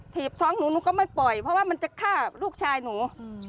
ถีบท้องหนูหนูก็ไม่ปล่อยเพราะว่ามันจะฆ่าลูกชายหนู